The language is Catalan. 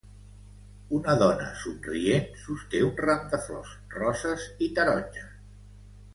Una dona somrient sosté un ram de flors roses i taronges.